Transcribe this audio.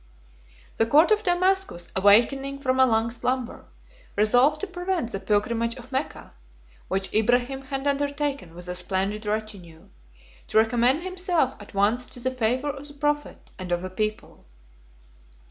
The court of Damascus, awakening from a long slumber, resolved to prevent the pilgrimage of Mecca, which Ibrahim had undertaken with a splendid retinue, to recommend himself at once to the favor of the prophet and of the people.